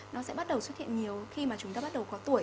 nó sẽ bắt đầu xuất hiện nhiều khi mà chúng ta bắt đầu có tuổi